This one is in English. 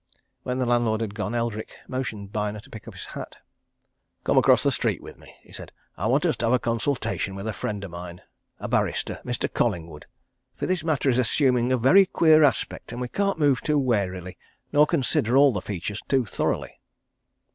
When the landlord had gone Eldrick motioned Byner to pick up his hat. "Come across the street with me," he said. "I want us to have a consultation with a friend of mine, a barrister, Mr. Collingwood. For this matter is assuming a very queer aspect, and we can't move too warily, nor consider all the features too thoroughly."